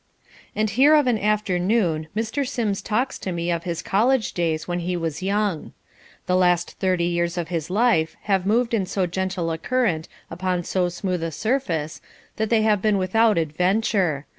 And here of an afternoon Mr. Sims talks to me of his college days when he was young. The last thirty years of his life have moved in so gentle a current upon so smooth a surface that they have been without adventure.